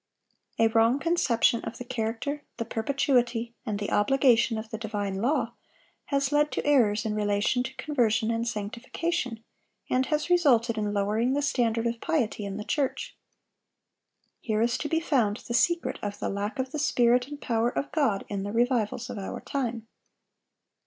A wrong conception of the character, the perpetuity, and the obligation of the divine law, has led to errors in relation to conversion and sanctification, and has resulted in lowering the standard of piety in the church. Here is to be found the secret of the lack of the Spirit and power of God in the revivals of our time.